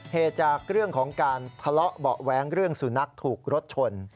เหตุจากเรื่องของการทะเลาะเบาะแว้งเรื่องสุนัขถูกรถชน